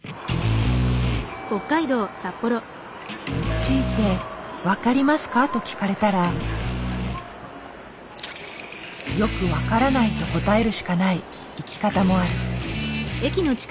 強いて「分かりますか？」と聞かれたら「よく分からない」と答えるしかない生き方もある。